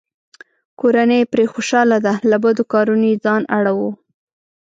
کورنۍ یې پرې خوشحاله ده؛ له بدو کارونو یې ځان اړووه.